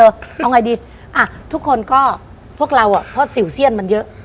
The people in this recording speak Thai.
เอาไงดีอ่ะทุกคนก็พวกเราอ่ะเพราะสิวเสี้ยนมันเยอะ